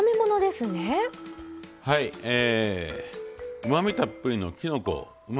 うまみたっぷりのきのこをうま